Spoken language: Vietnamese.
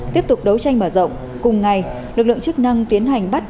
tiếp tục đấu tranh mở rộng cùng ngày lực lượng chức năng tiến hành bắt